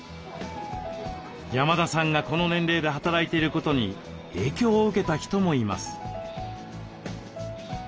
山田さんがこの年齢で働いていることに影響を受けた人もいます。